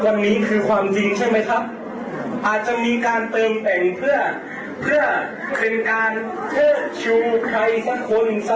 คำถามคือคุณจะคุยเจรจาแล้วไปกับคนรุ่นที่กำลังโตมาแทนรุ่นเราอย่างไรสักครู่ค่ะ